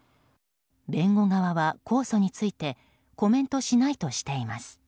弁護側は控訴についてコメントしないとしています。